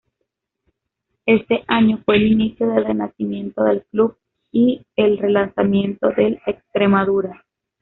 Ese año fue el inicio del renacimiento del club y el relanzamiento del Extremadura.